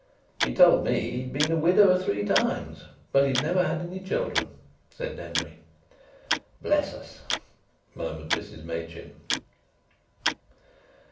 "He told me he'd been a widower three times, but he'd never had any children," said Denry. "Bless us!" murmured Mrs Machin.